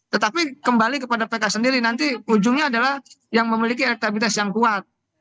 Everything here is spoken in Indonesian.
tetapi kembali kepada pks sendiri nanti ujungnya adalah yang memiliki elektabilitas yang kuat